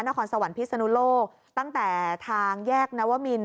นครสวรรค์พิศนุโลกตั้งแต่ทางแยกนวมิน